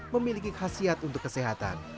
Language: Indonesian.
memiliki khasiat untuk kesehatan